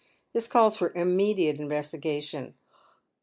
This calla for immediate investigation."